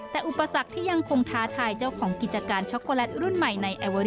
แต่อุปสรรคที่ยังคงท้าทายเจ้าของกิจการช็อกโกแลตรุ่นใหม่ในไอเวอร์